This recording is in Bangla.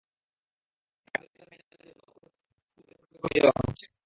আগামীকালের ফাইনালের জন্য উপস্থিত কুকুরদের পরিচয় করিয়ে দেওয়া হচ্ছে!